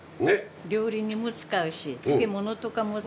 料理にも使うし漬物とかも使うし。